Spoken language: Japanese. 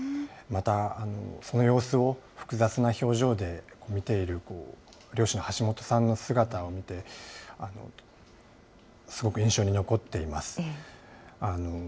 また、その様子を複雑な表情で見ている漁師の橋本さんの姿を見て、すごく印象に残っています。